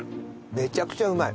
めちゃくちゃうまい。